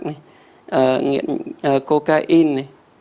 nghiện cocaine này